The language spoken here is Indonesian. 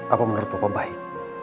apa menurut papa baik